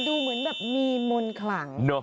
ดูเหมือนแบบมีมนต์ขลัง